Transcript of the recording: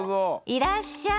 いらっしゃい。